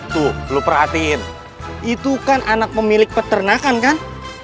tuh lu perhatiin itu kan anak pemilik peternakan kan